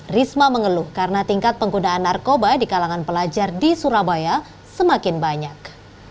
risma mengeluh karena tingkat penggunaan narkoba di kalangan pelajar di surabaya semakin banyak